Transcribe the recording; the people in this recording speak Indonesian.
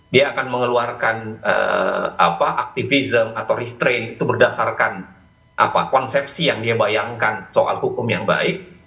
dia akan mengeluarkan aktivism atau restrain itu berdasarkan konsepsi yang dia bayangkan soal hukum yang baik